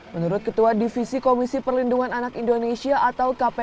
menurut ketua divisi komisi perlindungan anak indonesia atau kpi